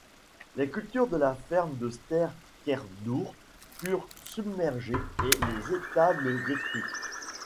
Les cultures de la ferme de Ster Kerdour furent submergées et les étables détruites.